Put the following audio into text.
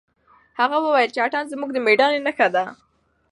هغه وویل چې اتڼ زموږ د مېړانې نښه ده.